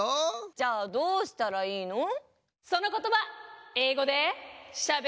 ⁉じゃあどうしたらいいの？え？あう？